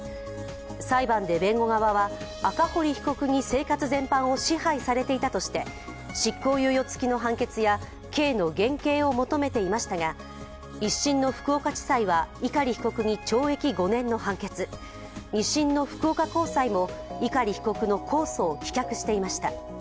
裁判で弁護側は、赤堀被告に生活全般を支配されていたとして執行猶予付きの判決や刑の減軽を求めていましたが一審の福岡地裁は碇被告に懲役５年の判決二審の福岡高裁も碇被告の控訴を棄却していました。